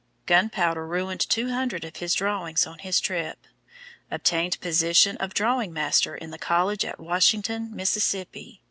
Gunpowder ruined two hundred of his drawings on this trip. Obtained position of Drawing master in the college at Washington, Mississippi.